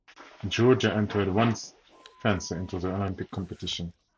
Georgia entered one fencer into the Olympic competition.